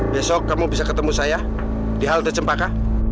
besok kamu bisa ketemu saya di halte cempaka